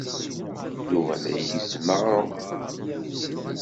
Yuba la igezzem aɣrum.